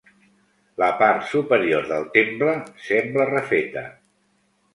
La part superior del temple sembla refeta.